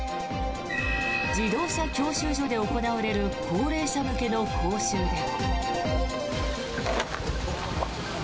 自動車教習所で行われる高齢者向けの講習で。